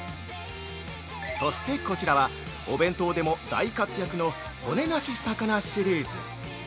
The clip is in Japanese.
そして、こちらはお弁当でも大活躍の骨なし魚シリーズ。